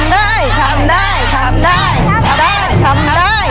ได้ทำได้